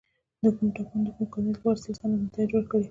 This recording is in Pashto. کومو ټاکنو د کوم کاندید لپاره سل سلنه نتایج ورکړي.